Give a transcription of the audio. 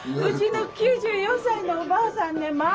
うちの９４歳のおばあさんね